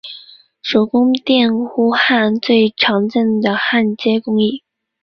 手工电弧焊最常见的焊接工艺。